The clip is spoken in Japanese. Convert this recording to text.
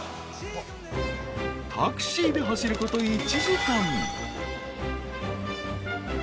［タクシーで走ること１時間］